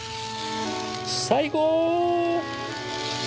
最高！